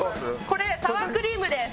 これサワークリームです。